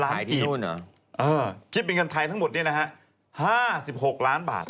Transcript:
อ้าอขี้บินเงินไทยทั้งหมดนี่นะครับ๕๖ล้านบาท